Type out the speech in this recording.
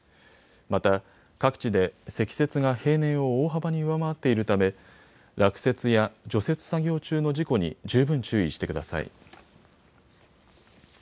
また、各地で積雪が平年を大幅に上回っているため落雪や除雪作業中の事故に十分注意してください。